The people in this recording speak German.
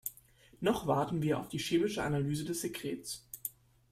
Noch warten wir auf die chemische Analyse des Sekrets.